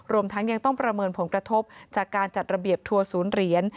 รวมทั้งยังต้องประเมินผลกระทบจากการจัดระเบียบทัวร์ศูนย์เหรียญ